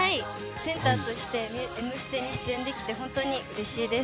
センターとして「Ｍステ」に出演できて本当にうれしいです。